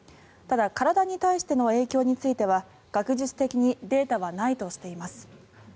ただ、体に対しての影響については学術的にデータはないとしています。